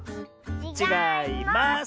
ちがいます！